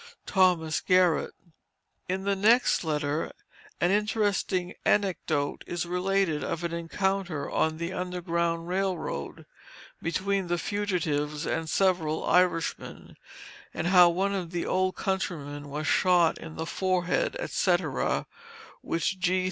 THOMAS GARRETT." In the next letter, an interesting anecdote is related of an encounter on the Underground Rail Road, between the fugitives and several Irishmen, and how one of the old countrymen was shot in the forehead, etc., which G.